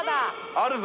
あるぞ！